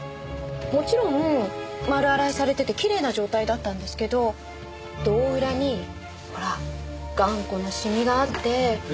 もちろん丸洗いされててきれいな状態だったんですけど胴裏にほら頑固なシミがあって。